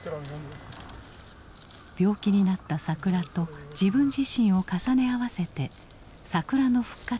病気になった桜と自分自身を重ね合わせて桜の復活に取り組んだ。